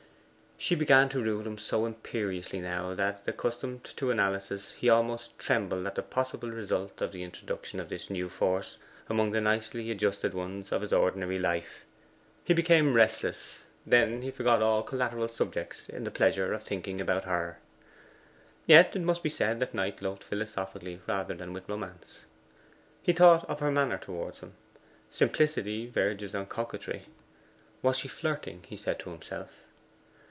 She began to rule him so imperiously now that, accustomed to analysis, he almost trembled at the possible result of the introduction of this new force among the nicely adjusted ones of his ordinary life. He became restless: then he forgot all collateral subjects in the pleasure of thinking about her. Yet it must be said that Knight loved philosophically rather than with romance. He thought of her manner towards him. Simplicity verges on coquetry. Was she flirting? he said to himself.